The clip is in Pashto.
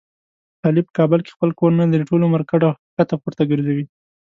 علي په کابل کې خپل کور نه لري. ټول عمر کډه ښکته پورته ګرځوي.